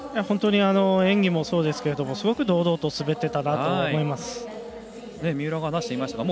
本当に演技もそうですがすごく堂々と滑っていたと思います。